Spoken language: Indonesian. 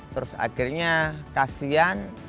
terus akhirnya kasian